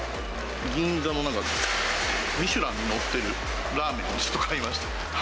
銀座のなんか、ミシュランに載っていたラーメンを買いました。